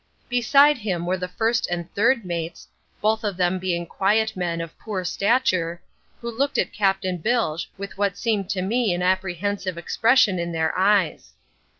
Beside him were the first and third mates, both of them being quiet men of poor stature, who looked at Captain Bilge with what seemed to me an apprehensive expression in their eyes.